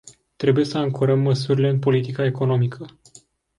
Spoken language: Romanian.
Trebuie să ancorăm măsurile în politica economică.